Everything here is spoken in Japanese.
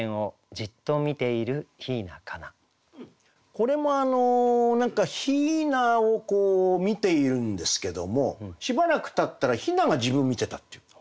これも雛を見ているんですけどもしばらくたったら雛が自分見てたっていう。